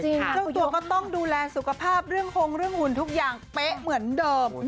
เจ้าตัวก็ต้องดูแลสุขภาพเรื่องคงเรื่องหุ่นทุกอย่างเป๊ะเหมือนเดิม